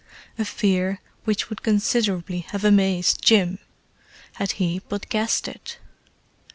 A fear which would considerably have amazed Jim, had he but guessed it!